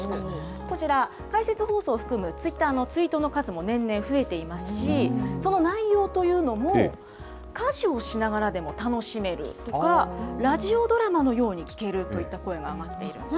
こちら、解説放送を含むツイッターのツイートの数も年々増えていますし、その内容というのも、家事をしながらでも楽しめるとか、ラジオドラマのように聞けるといった声が上がっています。